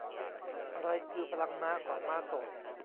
อะไรคือพลังม้าของม้าโสด